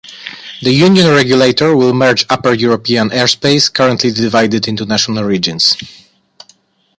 The Union regulator will merge upper European airspace, currently divided into national regions.